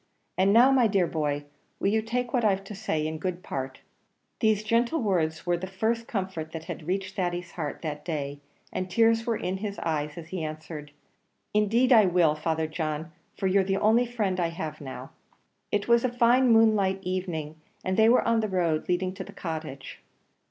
And now, my dear boy, will you take what I've to say in good part?" These gentle words were the first comfort that had reached Thady's heart that day, and tears were in his eyes as he answered, "Indeed I will, Father John, for you're the only friend I have now." It was a fine moonlight evening, and they were on the road leading to the Cottage.